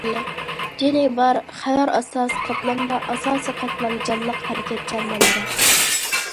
‹‹ جېنى بار›› خەۋەر ئاساسىي قاتلامدا، ئاساسىي قاتلام جانلىق، ھەرىكەتچان مەنبە.